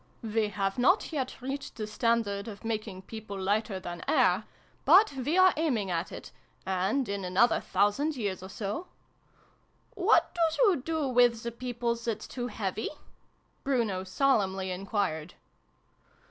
We have not yet reached the standard of making people lighter than air : but we are aiming at it ; and, in another thousand years or so " What doos oo do wiz the peoples that's too heavy ?" Bruno solemnly enquired.